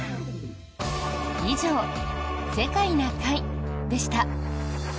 以上、「世界な会」でした。